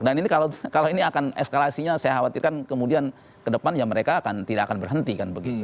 dan ini kalau ini akan eskalasinya saya khawatirkan kemudian ke depan ya mereka tidak akan berhenti kan begitu